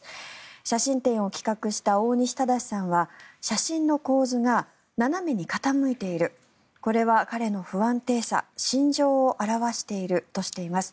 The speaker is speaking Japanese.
写真展を企画した大西正さんは写真の構図が斜めに傾いているこれは彼の不安定さ心情を表しているとしています。